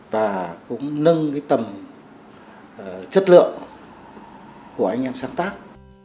và cũng nâng cái tầm chất lượng của anh em sáng tác